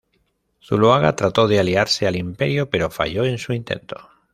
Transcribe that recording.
Zuloaga trató de aliarse al imperio, pero falló en su intento.